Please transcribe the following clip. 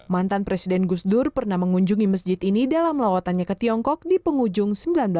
mantan presiden gus dur pernah mengunjungi masjid ini dalam lawatannya ke tiongkok di penghujung seribu sembilan ratus sembilan puluh